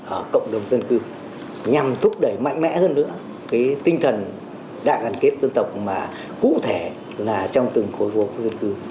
ở cộng đồng dân cư nhằm thúc đẩy mạnh mẽ hơn nữa cái tinh thần đại đoàn kết dân tộc mà cụ thể là trong từng khối vô khu dân cư